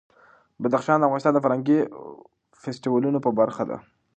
بدخشان د افغانستان د فرهنګي فستیوالونو برخه ده.